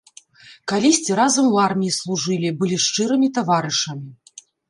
Калісьці разам у арміі служылі, былі шчырымі таварышамі.